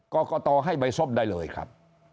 กรกตให้ใบส้มได้เลยครับ